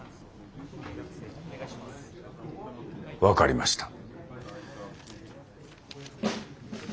分かりました。